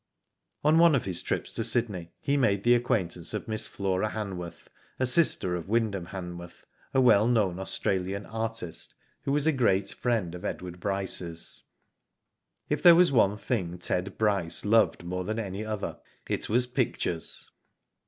On one of his trips to Sydney he made the acquaintance of Miss Flora Hanworth, a sister of Wyndham Hanworth, a well known Australian artist, who was a great friend of Edward Bryce's. If there was one thing Ted Bryce loved more than another, it was pictures.